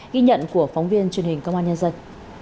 ghi nhận của phóng viên truyền hình công an nhân dân